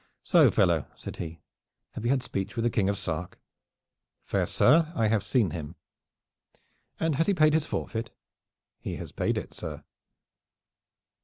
"So, fellow," said he, "have you had speech with the King of Sark?" "Fair sir, I have seen him." "And he has paid his forfeit?" "He has paid it, sir!"